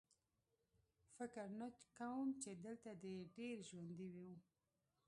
فکر نه کوم چې دلته دې ډېر ژوندي وو